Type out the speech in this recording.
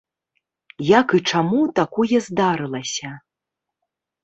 Як і чаму такое здарылася?